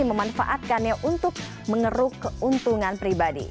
memanfaatkannya untuk mengeruk keuntungan pribadi